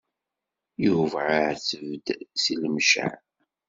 Yuba iɛetteb-d seg Lemceɛ.